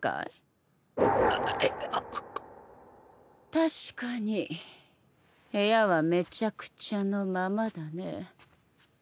確かに部屋はめちゃくちゃのままだね。